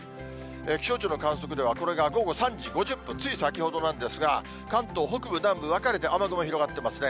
気象庁の観測では、これが午後３時５０分、つい先ほどなんですが、関東北部、南部分かれて、雨雲広がってますね。